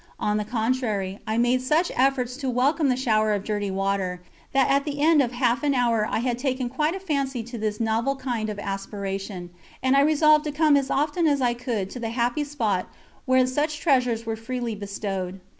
On the contrary, I made such efforts to welcome the shower of dirty water, that at the end of half an hour I had taken quite a fancy to this novel kind of aspersion, and I resolved to come as often as I could to the happy spot where such treasures were freely bestowed.